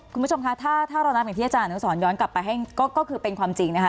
คุณผู้ชมคะถ้าเรานับอย่างที่อาจารย์อนุสรย้อนกลับไปให้ก็คือเป็นความจริงนะคะ